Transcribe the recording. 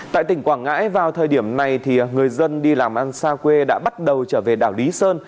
tại tỉnh quảng ngãi vào thời điểm này người dân đi làm ăn xa quê đã bắt đầu trở về đảo lý sơn